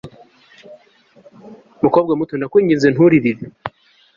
mukobwa muto, ndakwinginze nturirire